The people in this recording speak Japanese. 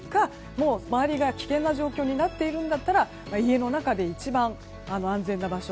周りが危険な状況になっているのなら家の中で一番安全な場所。